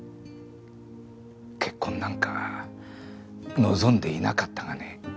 結婚なんか望んでいなかったがね。